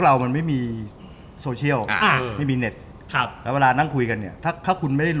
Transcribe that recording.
อะไรอย่างนี้